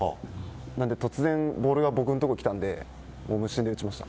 なので突然、ボールが僕のところにきたので無心で打ちました。